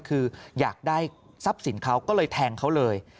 คืออยากได้ทรัพย์สินเขาก็เลยแทงเขาเลย